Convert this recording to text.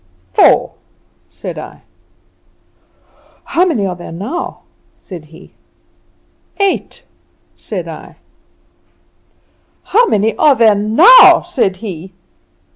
"'Four,' said I. "'How many are there now?' said he. "'Eight,' said I. "'How many are there now?' said he.